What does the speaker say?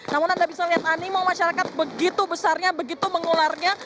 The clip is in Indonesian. namun anda bisa lihat animo masyarakat begitu besarnya begitu mengularnya